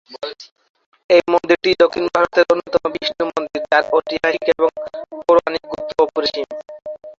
এই মন্দিরটি দক্ষিণ ভারতের অন্যতম বিষ্ণু মন্দির যার ঐতিহাসিক এবং পৌরাণিক গুরুত্ব অপরিসীম।